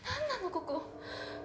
ここ。